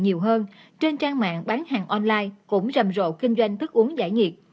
nhiều người tham gia kinh doanh thức uống giải nhiệt